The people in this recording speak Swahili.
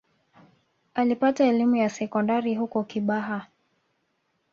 Alipata elimu ya sekondari huko Kibaha